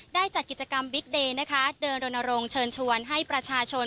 จัดกิจกรรมบิ๊กเดย์นะคะเดินรณรงค์เชิญชวนให้ประชาชน